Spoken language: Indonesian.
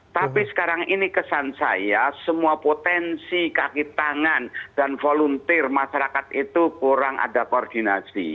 tapi sekarang ini kesan saya semua potensi kaki tangan dan volunteer masyarakat itu kurang ada koordinasi